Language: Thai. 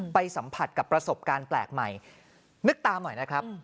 ไปสัมผัสกับประสบการณ์แปลกใหม่นึกตาหน่อยนะครับ